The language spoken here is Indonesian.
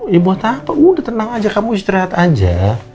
ya buat apa udah tenang aja kamu istirahat aja